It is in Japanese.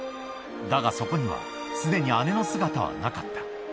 だが、そこにはすでに姉の姿はなかった。